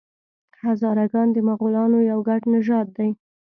هزاره ګان د مغولانو یو ګډ نژاد دی.